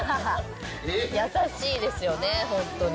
優しいですよね、本当に。